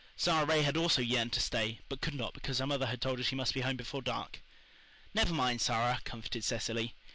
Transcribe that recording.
Sara Ray had also yearned to stay, but could not because her mother had told her she must be home before dark. "Never mind, Sara," comforted Cecily.